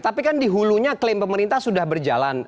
tapi kan di hulunya klaim pemerintah sudah berjalan